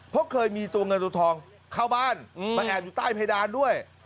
เพราะเคยมีตัวเงินตัวทองเข้าบ้านมาแอบอยู่ใต้เพดานด้วย